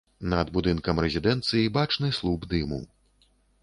Над будынкам рэзідэнцыі бачны слуп дыму.